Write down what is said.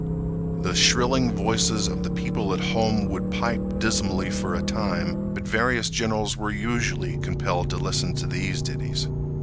The shrilling voices of the people at home would pipe dismally for a time, but various generals were usually compelled to listen to these ditties.